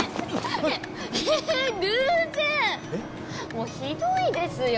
もうひどいですよ